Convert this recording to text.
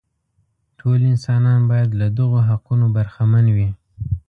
ټول انسانان باید له دغو حقونو برخمن وي.